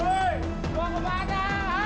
hei luar kemana